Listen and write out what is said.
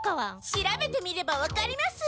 調べてみればわかります。